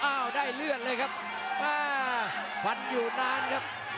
อ้าวได้เลือดเลยครับมาฟันอยู่นานครับ